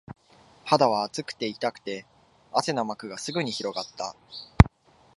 肌は熱くて、痛くて、汗の膜がすぐに広がった